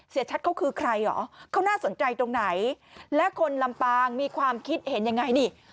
ชัดเขาคือใครเหรอเขาน่าสนใจตรงไหนและคนลำปางมีความคิดเห็นยังไงนี่